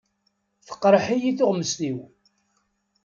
Teqreḥ-iyi tuɣmest-iw.